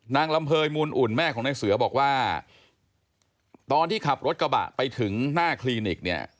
นางลำเภยมูลอุ่นแม่ของนายเสือบอกว่าตอนที่ขับรถกระบะไปถึงหน้าคลินิกเนี่ย